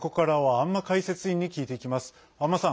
安間さん